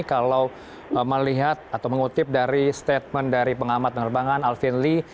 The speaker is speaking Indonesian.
kalau melihat atau mengutip dari statement dari pengamat penerbangan alvin lee